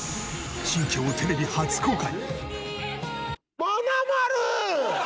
新居をテレビ初公開。